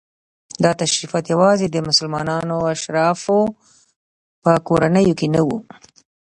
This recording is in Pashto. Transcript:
دا تشریفات یوازې د مسلمانو اشرافو په کورنیو کې نه وو.